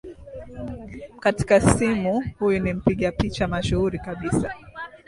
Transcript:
katika simu huyu ni mpiga picha mashuhuri kabisa